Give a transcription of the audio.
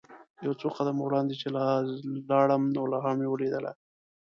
یو څو قدمه وړاندې چې لاړم نو لوحه مې ولیدله.